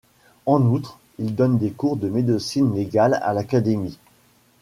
En outre, il donne des cours de médecine légale à l'Académie.